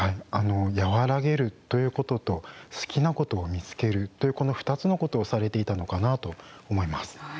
やわらげるということと好きなことを見つけるというこの２つのことをされていたのかなと思います。